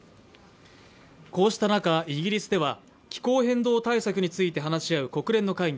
こうした中、イギリスでは気候変動対策について話し合う国連の会議